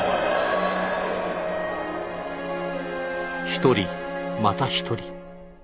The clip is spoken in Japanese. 一人また一人。